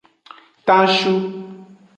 Tanshu.